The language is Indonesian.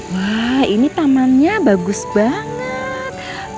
wah ini tamannya bagus banget